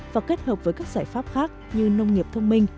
và kết hợp với các giải pháp khác như nông nghiệp thông minh